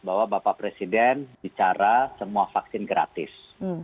bahwa bapak presiden bicara semua vaksin gratis